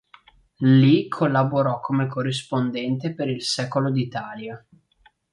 Lì collaborò come corrispondente per il Secolo d'Italia.